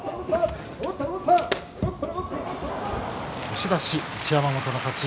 押し出し、一山本の勝ち。